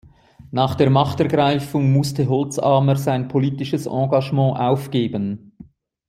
Nach der Machtergreifung musste Holzamer sein politisches Engagement aufgeben.